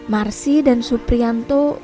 marsi dan suprianto